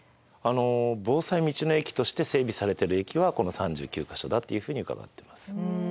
防災道の駅として整備されてる駅はこの３９か所だっていうふうに伺ってます。